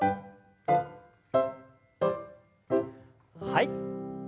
はい。